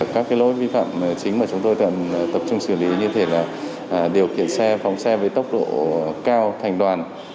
các lỗi vi phạm chính mà chúng tôi cần tập trung xử lý như thế là điều khiển xe phóng xe với tốc độ cao thành đoàn